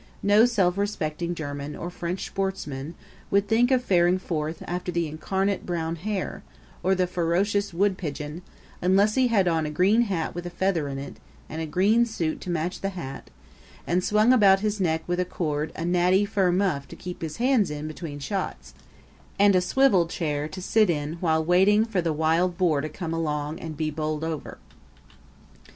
No self respecting German or French sportsman would think of faring forth after the incarnate brown hare or the ferocious wood pigeon unless he had on a green hat with a feather in it; and a green suit to match the hat; and swung about his neck with a cord a natty fur muff to keep his hands in between shots; and a swivel chair to sit in while waiting for the wild boar to come along and be bowled over.